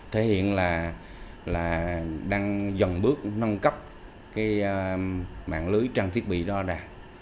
thể hiện là đang dần bước nâng cấp mạng lưới trang thiết bị đo đạt